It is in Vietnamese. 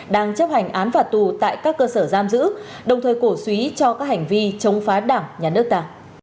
đang chấp hành án phạt tù tại các cơ sở giam giữ đồng thời cổ suý cho các hành vi chống phá đảng nhà nước ta